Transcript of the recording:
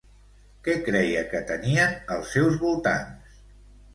Què creia que tenien els seus voltants?